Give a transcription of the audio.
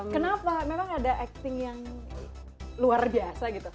kenapa memang ada acting yang luar biasa gitu